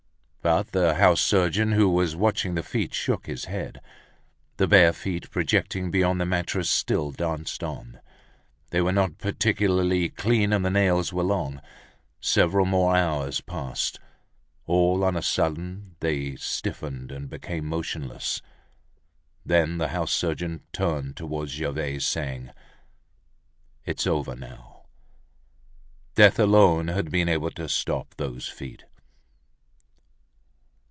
But the house surgeon, who was watching the feet, shook his head. The bare feet, projecting beyond the mattress, still danced on. They were not particularly clean and the nails were long. Several more hours passed. All on a sudden they stiffened and became motionless. Then the house surgeon turned towards Gervaise, saying: "It's over now." Death alone had been able to stop those feet.